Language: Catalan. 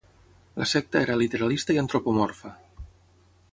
La secta era literalista i antropomorfa.